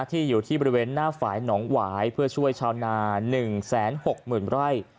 อยู่ที่บริเวณหน้าฝ่ายหนองหวายเพื่อช่วยชาวนา๑๖๐๐๐ไร่